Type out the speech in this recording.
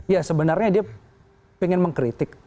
ya sebenarnya dia ingin mengkritik